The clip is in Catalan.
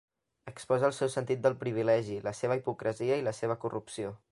Exposa el seu sentit del privilegi, la seva hipocresia i la seva corrupció.